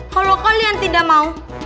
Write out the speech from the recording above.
kalau kalian mau